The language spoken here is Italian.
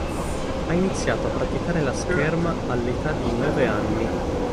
Ha iniziato a praticare la scherma all'età di nove anni.